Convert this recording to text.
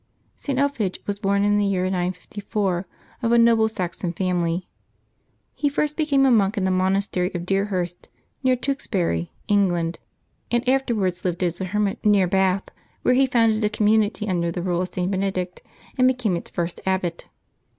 [t. Elphege was born in the year 95 1, of a noble Saxon family. He first became a monk in the monastery of Deerhurst, near Tewkesbury, England, and afterwards lived as a hermit near Bath, where he founded a com munity under the rule of St. Benedict, and became its first abbot.